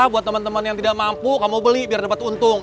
buat teman teman yang tidak mampu kamu beli biar dapat untung